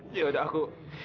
ya udah aku